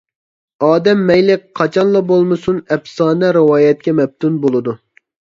ئادەم مەيلى قاچانلا بولمىسۇن ئەپسانە-رىۋايەتكە مەپتۇن بولىدۇ.